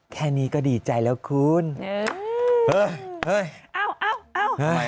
แค่นี้ก็ดีใจแล้วคุณเออเฮ้ยเอาเอ้าเฮ้ย